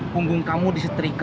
punggung kamu disetrika